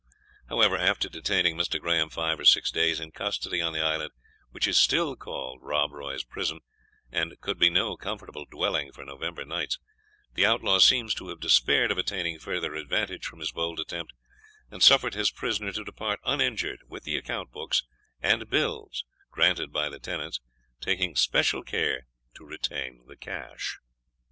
However, after detaining Mr. Graham five or six days in custody on the island, which is still called Rob Roy's Prison, and could be no comfortable dwelling for November nights, the Outlaw seems to have despaired of attaining further advantage from his bold attempt, and suffered his prisoner to depart uninjured, with the account books, and bills granted by the tenants, taking especial care to retain the cash.